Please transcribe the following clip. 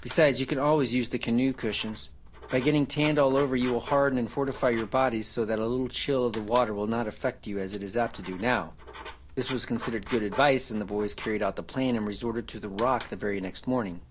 Besides, you can always use the canoe cushions. By getting tanned all over you will harden and fortify your bodies so that a little chill of the water will not affect you as it is apt to do now." This was considered good advice and the boys carried out the plan and resorted to the rock the very next morning.